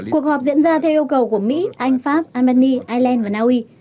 cuộc họp diễn ra theo yêu cầu của mỹ anh pháp albany ireland và naui